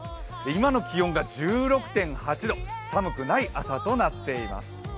今の気温が１６．８度、寒くない朝となっています。